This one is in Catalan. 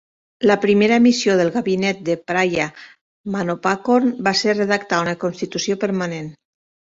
La primera missió del gabinet de Phraya Manopakorn va ser redactar una constitució permanent.